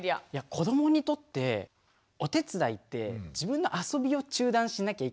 子どもにとってお手伝いって自分のあそびを中断しなきゃいけない